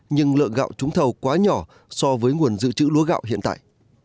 nhưng lượng gạo trúng thầu quá nhỏ so với nguồn dự trữ lúa gạo hiện tại